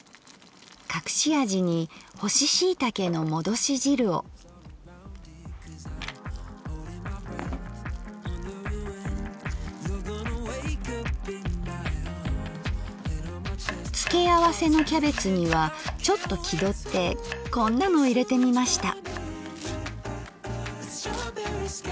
隠し味に付け合わせのキャベツにはちょっと気取ってこんなの入れてみました。